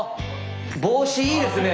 帽子いいですね。